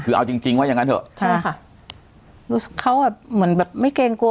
คือเอาจริงจริงว่าอย่างงั้นเถอะใช่ค่ะรู้สึกเขาแบบเหมือนแบบไม่เกรงกลัว